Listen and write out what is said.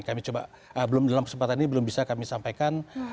kami coba belum dalam kesempatan ini belum bisa kami sampaikan